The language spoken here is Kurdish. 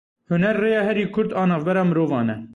Huner rêya herî kurt a navbera mirovan e.